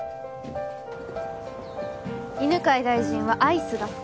犬飼大臣はアイスが好き。